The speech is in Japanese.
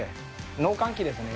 農閑期ですね